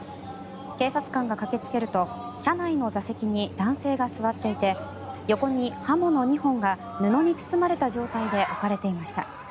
警察官が駆けつけると車内の座席に男性が座っていて横に刃物２本が布に包まれた状態で置かれていました。